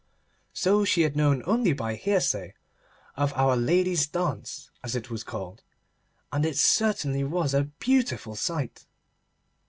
So she had known only by hearsay of 'Our Lady's Dance,' as it was called, and it certainly was a beautiful sight.